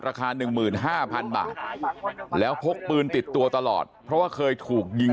ราคา๑๕๐๐๐บาทแล้วพกปืนติดตัวตลอดเพราะว่าเคยถูกยิง